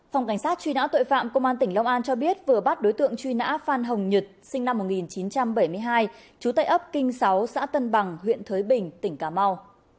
phòng cảnh sát truy nã tội phạm công an tỉnh long an cho biết vừa bắt đối tượng truy nã phan hồng nhật sinh năm một nghìn chín trăm bảy mươi hai trú tại ấp kinh sáu xã tân bằng huyện thới bình tỉnh cà mau